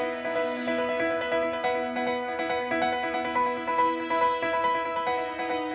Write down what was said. apa yang kamu inginkan